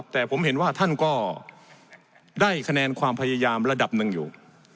แต่ผมเห็นว่าท่านก็ได้คะแนนความพยายามระดับหนึ่งอยู่